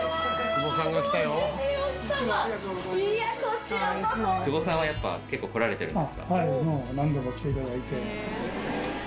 久保さんはやっぱ結構来られてるんですか？